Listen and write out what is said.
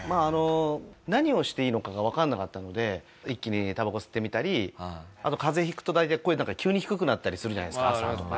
何をしていいのかがわからなかったので一気にたばこ吸ってみたりあと風邪引くと大体声とか急に低くなったりするじゃないですか朝とか。